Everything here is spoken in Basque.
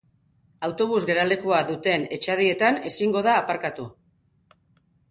Autobus-geralekua duten etxadietan ezingo da aparkatu.